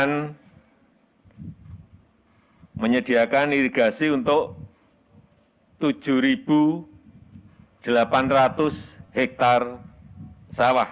yang menyediakan irigasi untuk tujuh delapan ratus hektare sawah